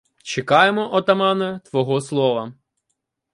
Чекаємо, отамане, твого слова.